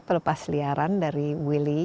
pelepas liaran dari willy